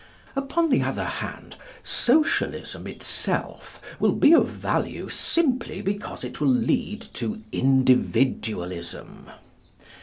Upon the other hand, Socialism itself will be of value simply because it will lead to Individualism.